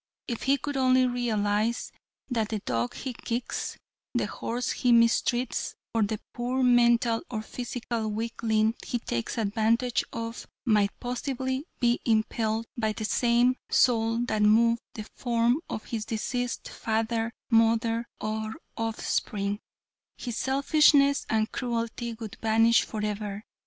If he could only realize that the dog he kicks, the horse he mistreats, or the poor mental or physical weakling he takes advantage of might possibly be impelled by the same soul that moved the form of his deceased father, mother, or offspring, his selfishness and cruelty would vanish forever.